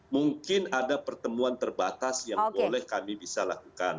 mungkin ada pertemuan terbatas yang boleh kami bisa lakukan